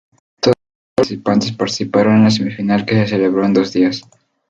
Todos los países participantes participaron en la semifinal que se celebró en dos días.